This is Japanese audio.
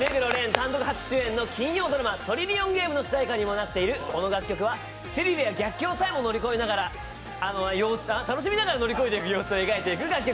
単独初主演の金曜ドラマ「トリリオンゲーム」の主題歌にもなっているこの楽曲は、スリルや逆境さえも楽しみながら乗り越えていく様子を描いています。